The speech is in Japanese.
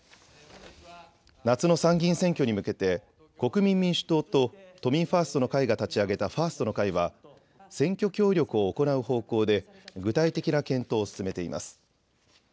夏の参議院選挙に向けて国民民主党と都民ファーストの会が立ち上げたファーストの会は選挙協力を行う方向で具体的な検討を進めています。